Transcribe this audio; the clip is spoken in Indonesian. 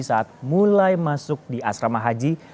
saat mulai masuk di asrama haji